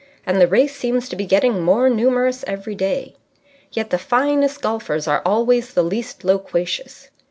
And the race seems to be getting more numerous every day. Yet the finest golfers are always the least loquacious.